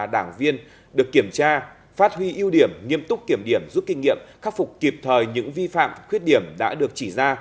đảng viên được kiểm tra phát huy ưu điểm nghiêm túc kiểm điểm rút kinh nghiệm khắc phục kịp thời những vi phạm khuyết điểm đã được chỉ ra